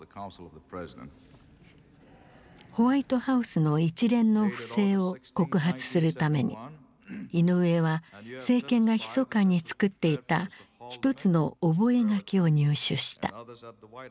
ホワイトハウスの一連の不正を告発するためにイノウエは政権がひそかに作っていたひとつの覚書を入手した。